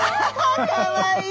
かわいい！